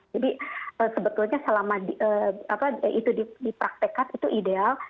jadi sebetulnya selama itu dipraktekkan itu ideal